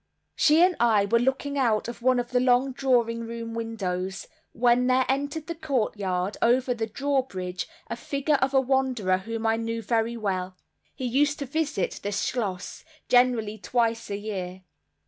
She and I were looking out of one of the long drawing room windows, when there entered the courtyard, over the drawbridge, a figure of a wanderer whom I knew very well. He used to visit the schloss generally twice a year.